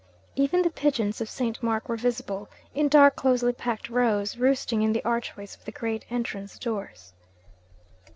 Even the pigeons of St. Mark were visible, in dark closely packed rows, roosting in the archways of the great entrance doors.